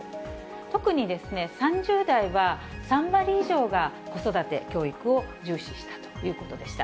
特に３０代は、３割以上が子育て・教育を重視したということでした。